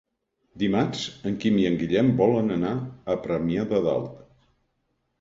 Dimarts en Quim i en Guillem volen anar a Premià de Dalt.